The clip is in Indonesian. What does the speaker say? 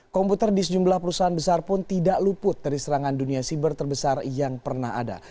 komputer di sejumlah perusahaan besar pun tidak luput dari serangan dunia siber terbesar yang pernah ada